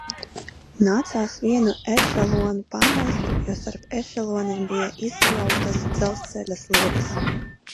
Nācās vienu ešelonu pamest, jo starp ešeloniem bija izjauktas dzelzceļa sliedes.